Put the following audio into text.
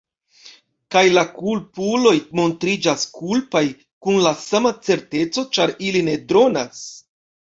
Kaj la kulpuloj montriĝas kulpaj kun la sama certeco ĉar ili ne dronas.